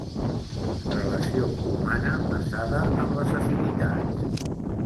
Relació humana basada en les afinitats.